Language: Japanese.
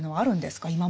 今までに。